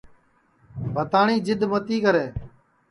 بھتاٹؔیں جِد متی کرے